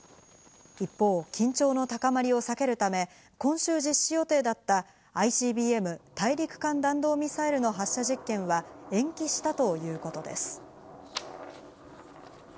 一方、緊張の高まりを避けるため、今週実施予定だったＩＣＢＭ＝大陸間弾道ミサイルの発射実験は、延期したということです。